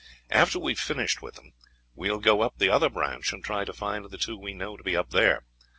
After we have finished with them, we will go up the other branch, and try to find the two we know to be up there.